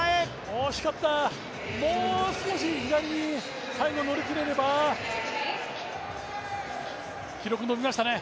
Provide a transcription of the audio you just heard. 惜しかったもう少し左に最後、乗り切れれば記録、伸びましたね。